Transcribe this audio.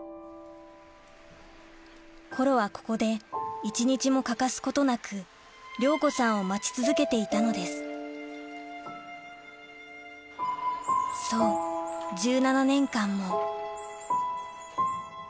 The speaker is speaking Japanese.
コロはここで一日も欠かすことなく亮子さんを待ち続けていたのですそうコロ。